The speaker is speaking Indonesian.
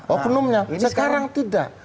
oh penumnya sekarang tidak